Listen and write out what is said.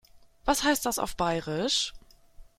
Was heißt das auf Bairisch?